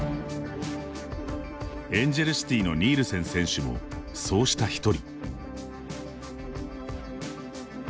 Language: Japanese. エンジェルシティーのニールセン選手も、そうした１人。